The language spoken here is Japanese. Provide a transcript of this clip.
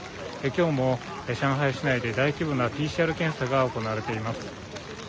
きょうも上海市内で大規模なＰＣＲ検査が行われています。